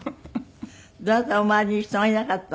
どなたも周りに人がいなかったの？